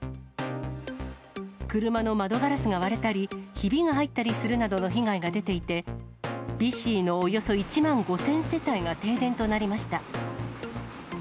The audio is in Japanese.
車の窓ガラスが割れたり、ひびが入ったりするなどの被害が出ていて、ビシーのおよそ１万５０００世帯が停電となりました。